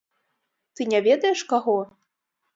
Ты не ведаеш каго?